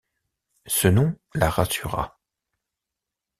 Ce nom la rassura.